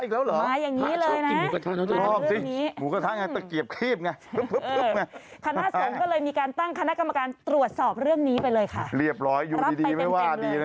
เรียบร้อยอยู่ดีไม่ว่าดีแน่จริงเลยครับรับไปเต็ม